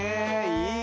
いい！